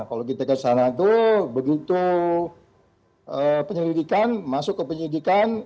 kalau kita ke sana itu begitu penyelidikan masuk ke penyelidikan